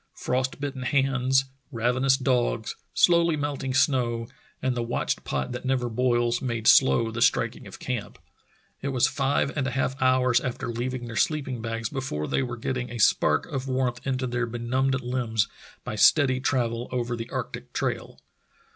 Frost bitten hands, ravenous dogs, slowly melting snow, and the watched pot that never boils made slow the striking of camp. It was five and a half hours after leaving their sleeping bags before they were getting a spark of warmth into their benumbed limbs by steady travel over the arctic trail.